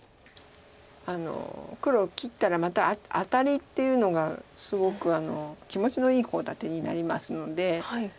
黒切ったらまたアタリっていうのがすごく気持ちのいいコウ立てになりますので。